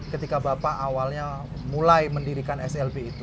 ketika bapak awalnya mulai mendirikan slb itu